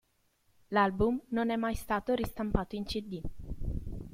L'album non è mai stato ristampato in cd.